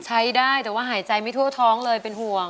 ใช้ได้แต่ว่าหายใจไม่ทั่วท้องเลยเป็นห่วง